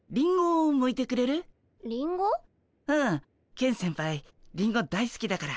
ケン先輩リンゴ大すきだから。